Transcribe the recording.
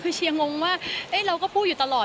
คือเชียร์งงว่าเราก็พูดอยู่ตลอด